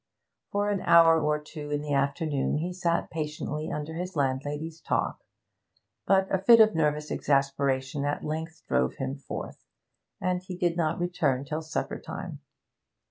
For an hour or two in the afternoon he sat patiently under his landlady's talk, but a fit of nervous exasperation at length drove him forth, and he did not return till supper time.